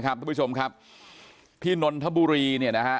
นางมอนก็บอกว่า